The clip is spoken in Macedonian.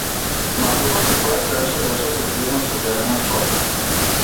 Масата при која седеше беше прекриена со зелена чоја.